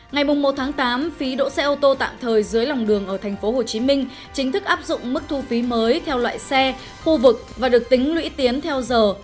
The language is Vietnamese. ngày một tám phí đỗ xe ô tô tạm thời dưới lòng đường ở tp hcm chính thức áp dụng mức thu phí mới theo loại xe khu vực và được tính lũy tiến theo giờ